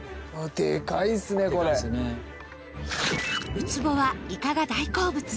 ウツボはイカが大好物。